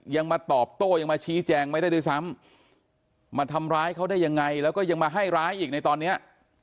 ยังมาตอบโต้ยังมาชี้แจงไม่ได้ด้วยซ้ำมาทำร้ายเขาได้ยังไงแล้วก็ยังมาให้ร้ายอีกในตอนเนี้ย